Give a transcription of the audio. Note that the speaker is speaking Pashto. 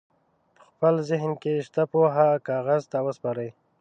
په خپل ذهن کې شته پوهه کاغذ ته وسپارئ.